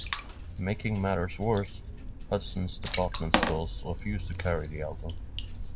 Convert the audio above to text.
Making matters worse, Hudson's department stores refused to carry the album.